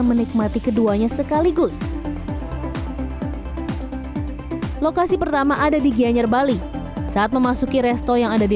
menikmati keduanya sekaligus lokasi pertama ada di gianyar bali saat memasuki resto yang ada di